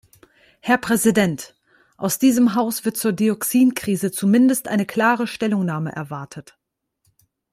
Herr Präsident! Aus diesem Haus wird zur Dioxinkrise zumindest eine klare Stellungnahme erwartet.